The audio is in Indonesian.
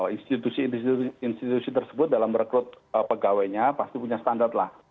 institusi institusi tersebut dalam merekrut pegawainya pasti punya standar lah